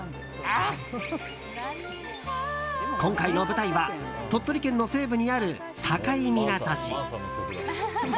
今回の舞台は鳥取県の西部にある境港市。